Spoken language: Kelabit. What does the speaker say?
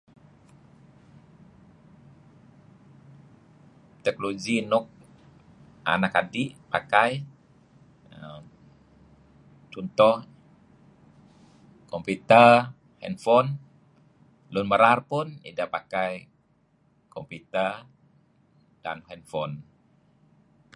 Teknologi nuk anak adi' pakai err contoh computer handphone lun merar pun idah pakai computer dan handphone.